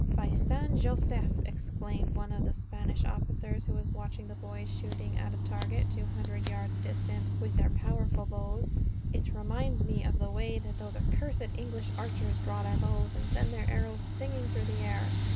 "By San Josef!" exclaimed one of the Spanish officers, after watching the boys shooting at a target, two hundred yards distant, with their powerful bows; "it reminds me of the way that those accursed English archers draw their bows, and send their arrows singing through the air.